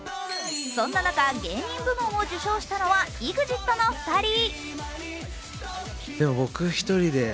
そんな中、芸人部門を受賞したのはＥＸＩＴの２人。